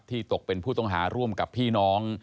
ตกเป็นผู้ต้องหาร่วมกับพี่น้อง